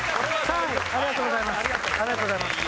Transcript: ありがとうございます。